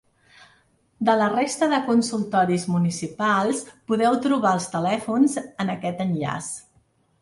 De la resta de consultoris municipals, podeu trobar els telèfons en aquest enllaç.